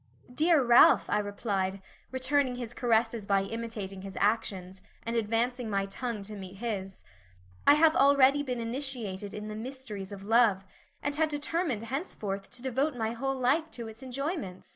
"Dear Ralph," I replied, returning his caresses by imitating his actions, and advancing my tongue to meet his, "I have already been initiated in the mysteries of love, and have determined henceforth to devote my whole life to its enjoyments."